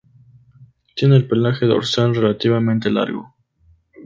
Tiene el pelaje dorsal relativamente largo.